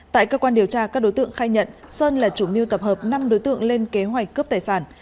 tại cơ quan điều tra các đối tượng khai nhận sơn là chủ mưu tập hợp năm đối tượng lên kế hoạch cướp tài sản